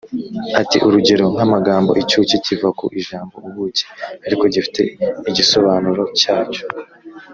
ati “urugero nk’amagambo: icyuki kiva ku ijambo ubuki ariko gifite igisobanuro cyacyo.